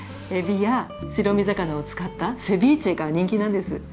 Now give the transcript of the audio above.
海老や白身魚を使ったセビーチェが人気なんです。